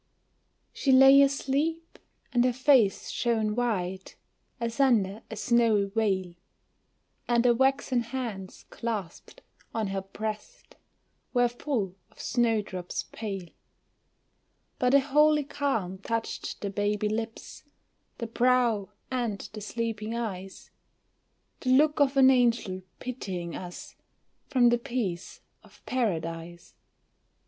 She lay asleep, and her face shone white As under a snowy veil, And the waxen hands clasped on her breast Were full of snowdrops pale; But a holy calm touched the baby lips, The brow, and the sleeping eyes, The look of an angel pitying us From the peace of Paradise.